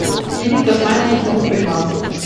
Hier liegt aus meiner Sicht der Hund begraben.